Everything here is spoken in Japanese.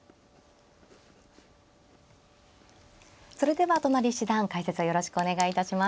それでは都成七段解説をよろしくお願いいたします。